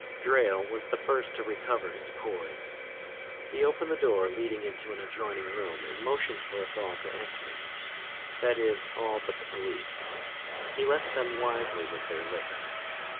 "Drayle was the first to recover his poise. He opened a door leading into an adjoining room and motioned for us all to enter. That is, all but the police. He left them wisely with their liquor.